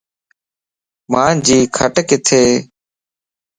مانجي کٽ ڪٿي؟